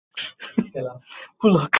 কিছু sample collect করব।